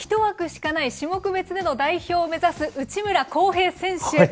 １枠しかない種目別での代表を目指す内村航平選手。